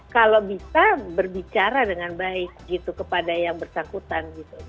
kalau bisa berbicara dengan baik kepada yang bersangkutan